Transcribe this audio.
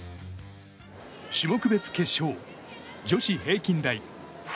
種目別決勝、女子平均台。